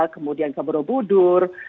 kemudian ke borobudur